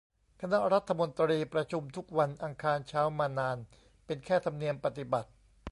คณะรัฐมนตรี ประชุมทุกวันอังคารเช้ามานาน เป็นแค่ธรรมเนียมปฏิบัติ